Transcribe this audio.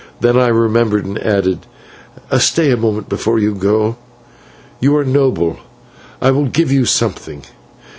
Then I remembered, and added: "Stay a moment before you go; you are noble, I will give you something.